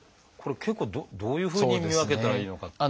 これは結構どういうふうに見分けたらいいのか。